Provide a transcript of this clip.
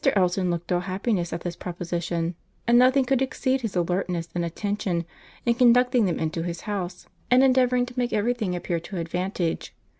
Elton looked all happiness at this proposition; and nothing could exceed his alertness and attention in conducting them into his house and endeavouring to make every thing appear to advantage.